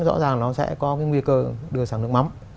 rõ ràng nó sẽ có cái nguy cơ đưa sang nước mắm